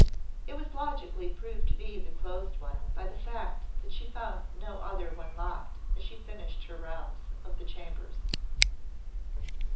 It was logically proved to be the closed one by the fact that she found no other one locked as she finished her round of the chambers.